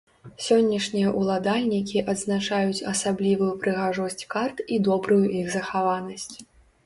Сённяшнія ўладальнікі адзначаюць асаблівую прыгажосць карт і добрую іх захаванасць.